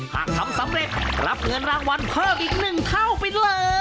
หากทำสำเร็จรับเงินรางวัลเพิ่มอีก๑เท่าไปเลย